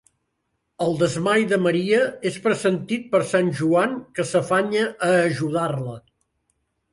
El desmai de Maria és pressentit per sant Joan que s'afanya a ajudar-la.